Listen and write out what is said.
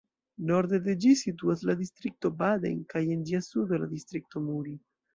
Norde de ĝi situas la distrikto Baden kaj en ĝia sudo la distrikto Muri.